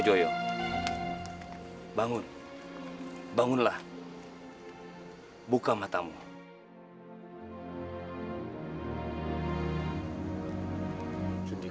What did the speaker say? saya tidak berani pergi